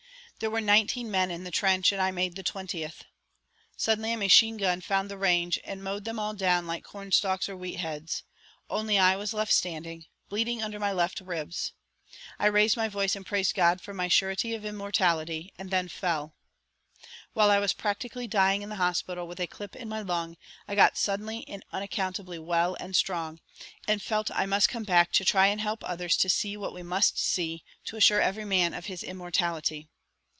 There were nineteen men in the trench, and I made the twentieth. Suddenly a machine gun found the range and mowed them all down like cornstalks or wheat heads. Only I was left standing, bleeding under my left ribs. I raised my voice and praised God for my surety of immortality, and then fell. While I was practically dying in the hospital with a clip in my lung I got suddenly and unaccountably well and strong, and felt I must come back to try and help others to see what we must see to assure every man of his immortality.